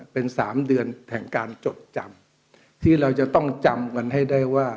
เป็นสามเดือนแห่งการจดจำที่เราจะต้องจำกันให้ได้ว่า